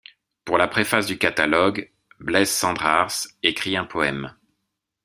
Pour la préface du catalogue, Blaise Cendrars écrit un poème.